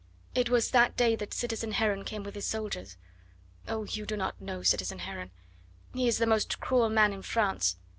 "It was that day that citizen Heron came with his soldiers! Oh! you do not know citizen Heron. He is the most cruel man in France.